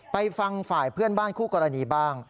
ไปฟังฝ่ายเพื่อนบ้านคู่กรณีบ้าง